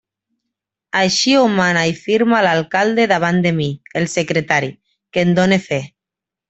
Així ho mana i firma l'alcalde davant de mi, el secretari, que en done fe.